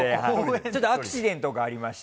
ちょっとアクシデントがありまして。